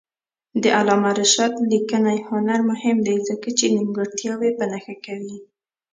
د علامه رشاد لیکنی هنر مهم دی ځکه چې نیمګړتیاوې په نښه کوي.